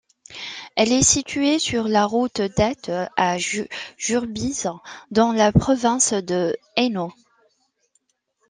Elle est située sur la Route d'Ath à Jurbise dans la province de Hainaut.